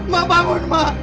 ma bangun ma